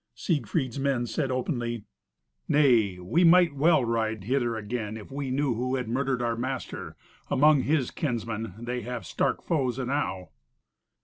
Siegfried's men said openly, "Nay, we might well ride hither again if we knew who had murdered our master. Among his kinsmen they have stark foes enow."